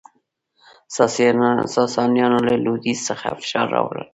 ساسانیانو له لویدیځ څخه فشار راوړ